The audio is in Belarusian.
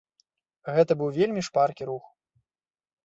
Гэта быў вельмі шпаркі рух.